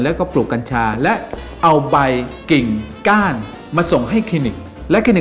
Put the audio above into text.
แล้วก็ปลูกกัญชาและเอาใบกิ่งก้านมาส่งให้คลินิกและคลินิก